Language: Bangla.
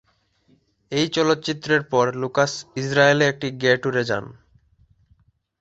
এই চলচ্চিত্রের পর লুকাস ইসরায়েলে একটি গে ট্যুরে যান।